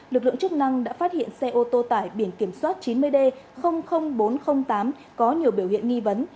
lực lượng chức năng đã phát hiện xe ô tô tải biển kiểm soát chín mươi d bốn trăm linh tám có nhiều biểu hiện nghi vấn